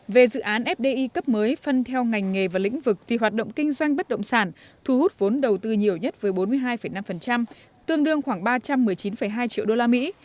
về dự án fdi cấp mới phân theo ngành nghề và lĩnh vực thì hoạt động kinh doanh bất động sản thu hút vốn đầu tư nhiều nhất với bốn mươi hai năm tương đương khoảng ba trăm một mươi chín hai triệu đô la mỹ